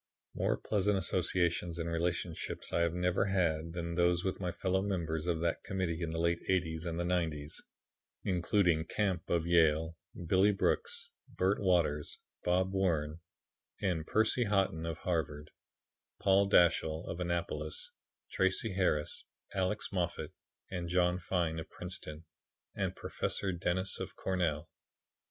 "More pleasant associations and relationships I have never had than those with my fellow members of that Committee in the late '80's and the '90's, including Camp of Yale; Billy Brooks, Bert Waters, Bob Wrenn and Percy Haughton of Harvard; Paul Dashiell of Annapolis; Tracy Harris, Alex Moffat and John Fine of Princeton; and Professor Dennis of Cornell.